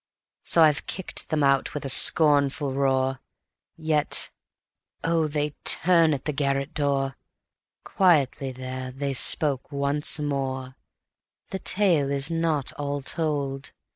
So I kicked them out with a scornful roar; Yet, oh, they turned at the garret door; Quietly there they spoke once more: "The tale is not all told.